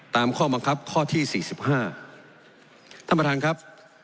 ตามข้อบังคับข้อที่๔๕ท่านประธานครับ